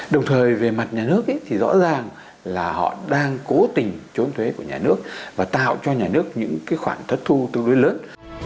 đồng thời về mặt nhà nước thì rõ ràng là họ đang cố tình trốn thuế của nhà nước và tạo cho nhà nước những khoản thất thu tương đối lớn